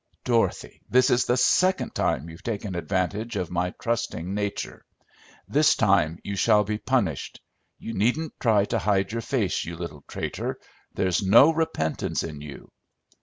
"Dorothy, this is the second time you've taken advantage of my trusting nature. This time you shall be punished. You needn't try to hide your face, you little traitor. There's no repentance in you!"